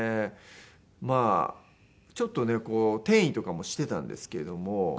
まあちょっとね転移とかもしてたんですけども。